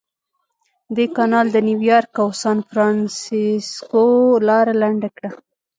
دې کانال د نیویارک او سانفرانسیسکو لاره لنډه کړه.